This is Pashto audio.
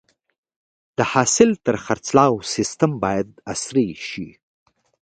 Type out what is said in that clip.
د حاصل د خرڅلاو سیستم باید عصري شي.